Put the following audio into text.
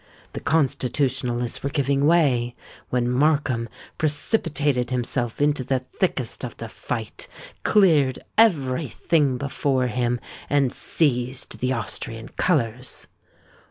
The Constitutionalists were giving way, when Markham precipitated himself into the thickest of the fight, cleared every thing before him, and seized the Austrian colours.